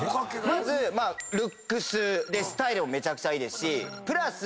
まずルックススタイルもめちゃくちゃいいですしプラス